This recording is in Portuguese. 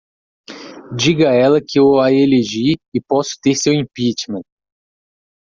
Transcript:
Diga a ela que eu a elegi e posso ter seu impeachment!